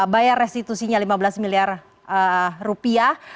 bayar restitusinya lima belas miliar rupiah